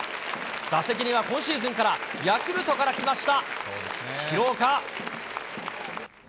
打席には今シーズンからヤクルトから来ました、廣岡。